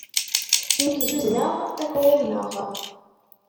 Mi k-zuzuneɣ ad k-ɣummeɣ.